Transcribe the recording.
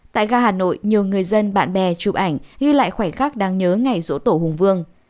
tại gà hà nội nhiều người dân bạn bè chụp ảnh ghi lại khoảnh khắc đáng nhớ ngày rỗ tổ hùng vương